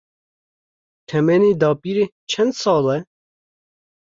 Temenê dapîrê çend sal e?